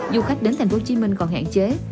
du khách đến thành phố hồ chí minh còn hạn chế